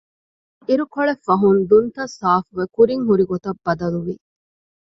އިރުކޮޅެއްފަހުން ދުންތައް ސާފުވެ ކުރިން ހުރި ގޮތަށް ބަދަލުވި